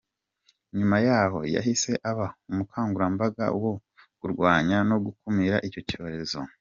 Nyuma y’aho yahise aba umukangurambaga wo kurwanya no gukumira icyo cyorezo.